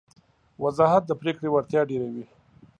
وضاحت د پرېکړې وړتیا ډېروي.